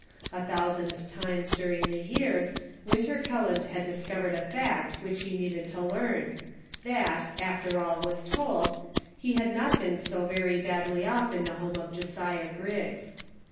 A thousand times during the years, Winter Kelland had discovered a fact which he needed to learn, that, after all was told, he had not been so very badly off in the home of Josiah Griggs.